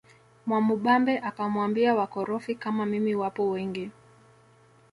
Mwamubambe akamwambia wakorofi kama mimi wapo wengi